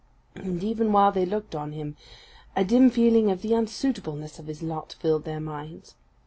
And even while they looked on him, a dim feeling of the unsuitableness of his lot filled their minds.